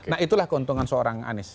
nah itulah keuntungan seorang anies